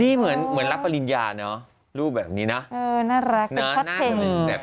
นี่เหมือนเหมือนรับปริญญาเนอะรูปแบบนี้เนอะเออน่ารักนะ